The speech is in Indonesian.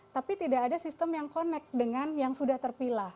tapi tidak ada sistem yang connect dengan yang sudah terpilah